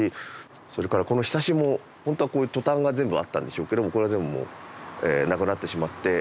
それからこのひさしも本当はこういうトタンが全部あったんでしょうけどこれは全部もうなくなってしまって。